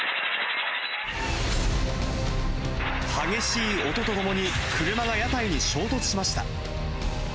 激しい音とともに、車が屋台に衝突しました。